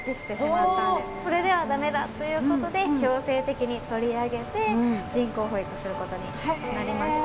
これでは駄目だということで強制的に取り上げて人工哺育することになりました。